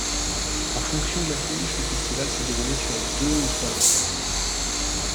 En fonction de l'affiche, le festival s'est déroulé sur deux ou trois jours.